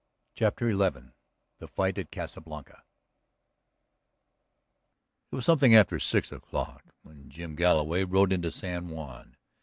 CHAPTER XI THE FIGHT AT LA CASA BLANCA It was something after six o'clock when Jim Galloway rode into San Juan.